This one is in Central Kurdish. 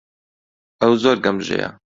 ئەو زۆر گەمژەیە.